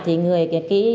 thì người ký